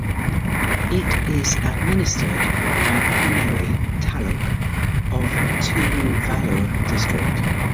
It is administered by Ponneri taluk of Tiruvallur district.